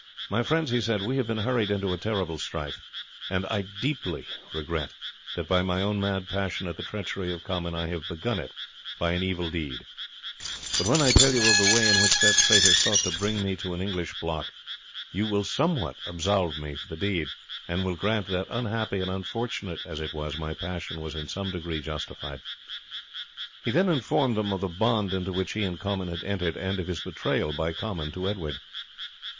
"My friends," he said, "we have been hurried into a terrible strife, and deeply do I regret that by my own mad passion at the treachery of Comyn I have begun it by an evil deed; but when I tell you of the way in which that traitor sought to bring me to an English block, you will somewhat absolve me for the deed, and will grant that, unhappy and unfortunate as it was, my passion was in some degree justified." He then informed them of the bond into which he and Comyn had entered, and of its betrayal by Comyn to Edward.